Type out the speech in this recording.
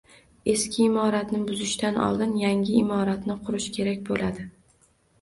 Eski imoratni buzishdan oldin yangi imoratni qurish kerak bo‘ladi.